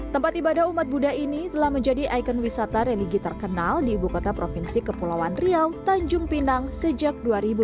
tempat ibadah umat buddha ini telah menjadi ikon wisata religi terkenal di ibu kota provinsi kepulauan riau tanjung pinang sejak dua ribu lima belas